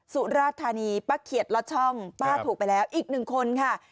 สุราธานีป้าเขียดลอดช่องป้าถูกไปแล้วอีกหนึ่งคนค่ะ